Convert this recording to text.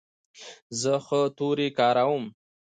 زه ښه توري کاروم.